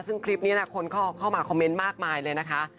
ซึ่งคลิปนี้คนเข้ามาคอมเมนต์มากมายเลยนะคะ